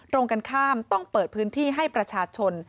ตรงกันข้ามต้องเปิดพื้นที่ให้ประชาชน